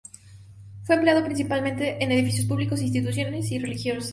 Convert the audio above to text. Fue empleado principalmente en edificios públicos, institucionales y religiosos.